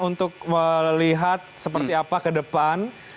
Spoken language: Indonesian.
untuk melihat seperti apa ke depan